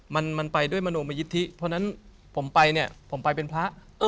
มันไปด้วยมโนมยิทธิเพราะฉะนั้นผมไปเนี่ยผมไปเป็นพระ